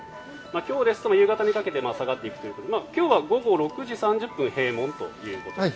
今日ですと夕方にかけて下がっていくということで今日は午後６時３０分閉門ということですか。